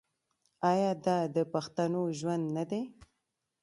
آیا دا د پښتنو ژوند نه دی؟